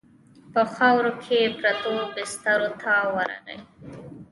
په خاورو کې پرتو بسترو ته ورغی.